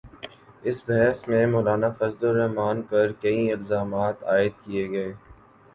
اس بحث میں مولانافضل الرحمن پر کئی الزامات عائد کئے گئے،